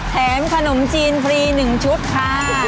ขนมจีนฟรี๑ชุดค่ะ